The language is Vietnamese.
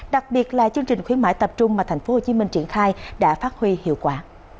đặc biệt là chương trình khuyến mại tập trung mà tp hcm triển khai đã phát huy hiệu quả